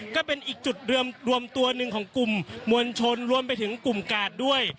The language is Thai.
ก็เป็นอีกจุดรวมตัวหนึ่งของกลุ่มมวลชนรวมไปถึงกลุ่มกาดด้วย